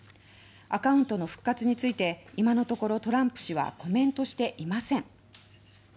アカウントの復活について今のところトランプ氏はコメントしていません。